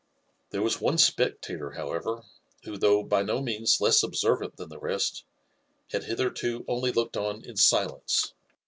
There was one spectator, however, who, though by no means less observant than the rest, had hitherto only looked on in silence.